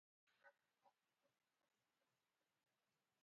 Kwanetkey anyochipik kaat ak atestai ak sobennyu